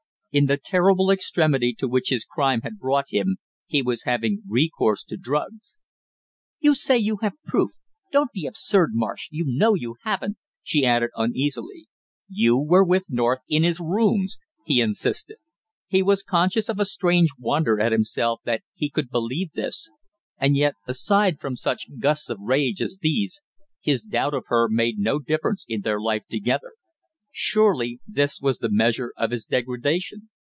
In the terrible extremity to which his crime had brought him he was having recourse to drugs. "You say you have proof, don't be absurd, Marsh, you know you haven't!" she added uneasily. "You were with North in his rooms " he insisted. He was conscious of a strange wonder at himself that he could believe this, and yet aside from such gusts of rage as these, his doubt of her made no difference in their life together. Surely this was the measure of his degradation.